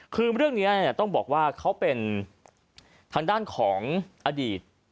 คือเรื่องนี้ต้องบอกว่าเขาเป็นทางด้านของอดีต